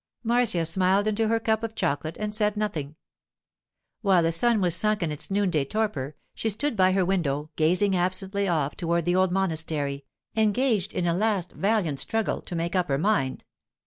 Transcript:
Marcia smiled into her cup of chocolate and said nothing. While the sun was sunk in its noonday torpor, she stood by her window, gazing absently off toward the old monastery, engaged in a last valiant struggle to make up her mind.